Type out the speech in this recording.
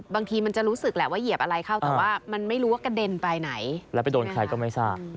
ไม่จอดไม่ได้อะไรเลยครับ